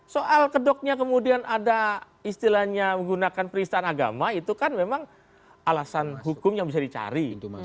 soal kedoknya kemudian ada istilahnya menggunakan peristahan agama itu kan memang alasan hukum yang bisa dicari